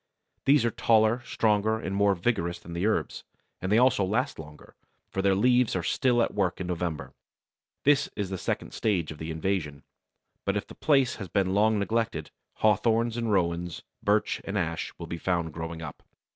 These are taller, stronger, and more vigorous than the herbs, and they also last longer, for their leaves are still at work in November. This is the second stage of the invasion. But if the place has been long neglected, Hawthorns and Rowans, Birch and Ash will be found growing up.